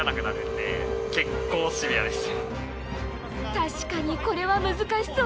確かにこれは難しそう！